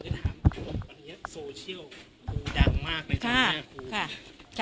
ขอถามประเทศโซเชียลได้ดังมากในตรงด้านแห้งครู